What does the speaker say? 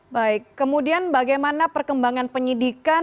baik kemudian bagaimana perkembangan penyidikan